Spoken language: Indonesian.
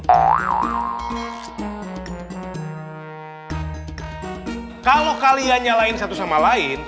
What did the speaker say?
pertanyaannya kalian semua mau gak jadi orang seperti itu